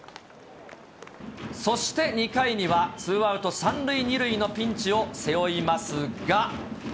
そして、２回にはツーアウト３塁２塁のピンチを背負いますが。